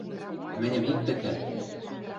– Мӹньӹм ит тӹкал...